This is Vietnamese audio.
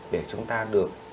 để chúng ta được